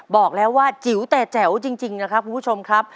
บอกแล้วว่าจิ๋วแต่แจ๋วจริงนะครับคุณผู้ชมครับ